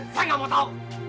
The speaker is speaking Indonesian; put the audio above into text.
saya gak mau tahu